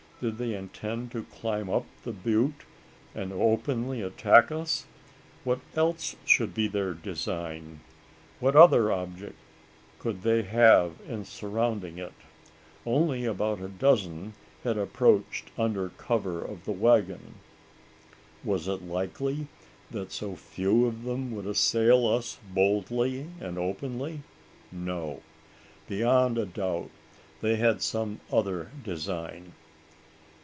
Did they intend to climb up the butte, and openly attack us? What else should be their design? What other object could they have in surrounding it? Only about a dozen had approached under cover of the waggon. Was it likely that so few of them would assail us boldly and openly? No. Beyond a doubt, they had some other design!